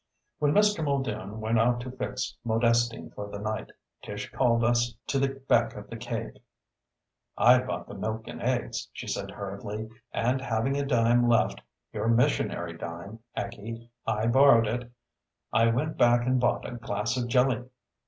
When Mr. Muldoon went out to fix Modestine for the night Tish called us to the back of the cave. "I bought the milk and eggs," she said hurriedly, "and having a dime left your missionary dime, Aggie, I borrowed it I went back and bought a glass of jelly.